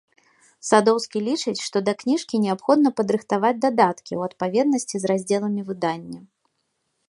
Садоўскі лічыць, што да кніжкі неабходна падрыхтаваць дадаткі ў адпаведнасці з раздзеламі выдання.